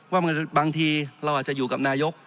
บางทีเราอาจจะอยู่กับนายก